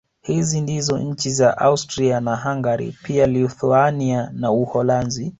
Hizi ndizo nchi za Austria na Hungari pia Lithuania na Uholanzi